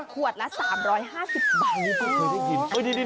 ขวดละ๓๕๐บาทไม่ได้กิน